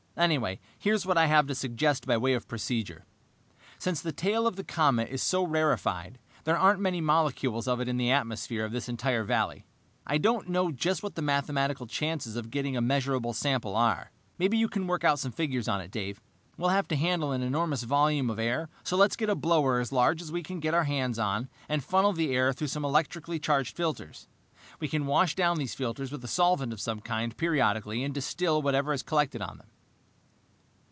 Anyway, here's what I have to suggest by way of procedure: Since the tail of the comet is so rarefied, there aren't many molecules of it in the atmosphere of this entire valley. I don't know just what the mathematical chances of getting a measurable sample are. Maybe you can work out some figures on it, Dave. We'll have to handle an enormous volume of air, so let's get a blower as large as we can get our hands on and funnel the air through some electrically charged filters. We can wash down these filters with a solvent of some kind periodically and distill whatever has collected on them."